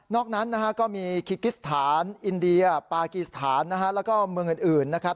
นอกนั้นก็มีคิกิสถานอินเดียปาคิสถานแล้วก็เมืองอื่นนะครับ